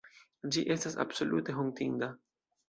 Ĝi estas absolute hontinda.